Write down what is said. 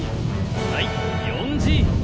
はい４Ｇ。